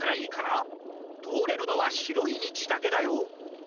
とおれるのはしろいみちだけだよ